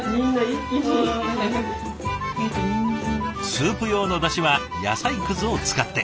スープ用のだしは野菜くずを使って。